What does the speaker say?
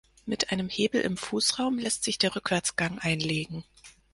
Mit einem Hebel im Fußraum lässt sich der Rückwärtsgang einlegen.